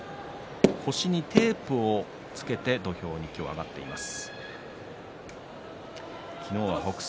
腰にテープをつけて土俵に上がっています。